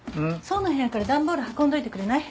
想の部屋から段ボール運んどいてくれない？